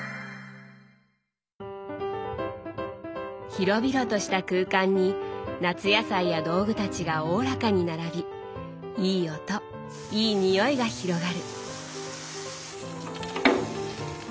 広々とした空間に夏野菜や道具たちがおおらかに並びいい音いい匂いが広がる。